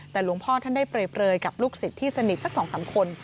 แต่หลวงพ่อท่านได้เปรยกับลูกศิษย์ที่สนิทสัก๒๓คน